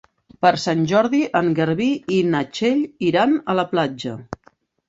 Per Sant Jordi en Garbí i na Txell iran a la platja.